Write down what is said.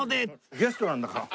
ゲストなんだから。